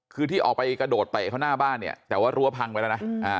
คือที่ออกไปกระโดดเตะเขาหน้าบ้านเนี่ยแต่ว่ารั้วพังไปแล้วนะ